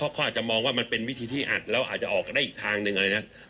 เขาอาจจะมองว่ามันเป็นวิธีที่อัดแล้วอาจจะออกได้อีกทางหนึ่งอะไรนะ